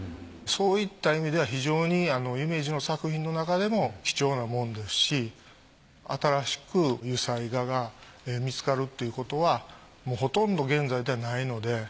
そういった意味では非常に夢二の作品のなかでも貴重なものですし新しく油彩画が見つかるっていうことはもうほとんど現在ではないので。